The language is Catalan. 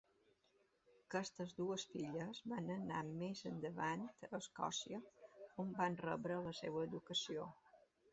Aquestes dues filles van anar més endavant a Escòcia on van rebre la seva educació.